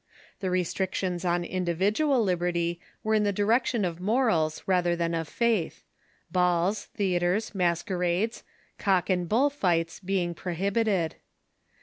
The restrictions on individual liberty were in the direction of morals rather than of faith — balls, theatres, masquerades, cock and bull fights being prohibited.